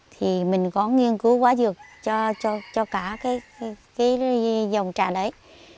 thì mình có nghiên cứu quá dược cho cả cái dòng trà đấy